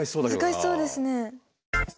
難しそうですね。